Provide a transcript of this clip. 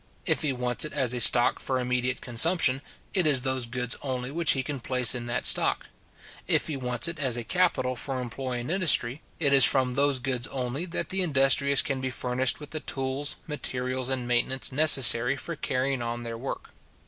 If he wants it as a stock for immediate consumption, it is those goods only which he can place in that stock. If he wants it as a capital for employing industry, it is from those goods only that the industrious can be furnished with the tools, materials, and maintenance necessary for carrying on their work.